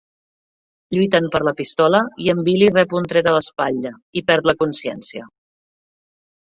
Lluiten per la pistola i en Billy rep un tret a l'espatlla, i perd la consciència.